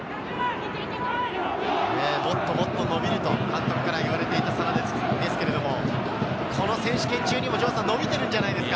もっともっと伸びると監督から言われていた真田ですが、この選手権中にも伸びているんじゃないですか？